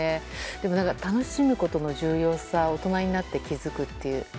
でも楽しむことの重要さに大人になって気づくという。